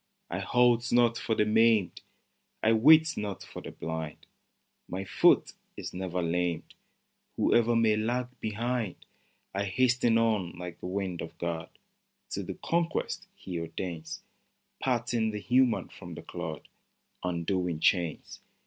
I halt not for the maimed, I wait not for the blind ; My foot is never lamed, Whoe'er may lag behind : I hasten on, like the wind of God, To the conquest He ordains : Parting the human from the clod, Undoing chains.